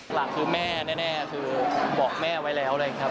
หลักคือแม่แน่คือบอกแม่ไว้แล้วเลยครับ